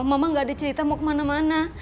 mama gak ada cerita mau kemana mana